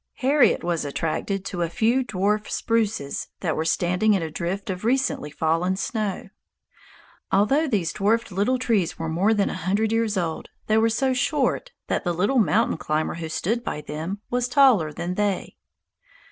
Harriet was attracted to a few dwarf spruces that were standing in a drift of recently fallen snow. Although these dwarfed little trees were more than a hundred years old, they were so short that the little mountain climber who stood by them was taller than they.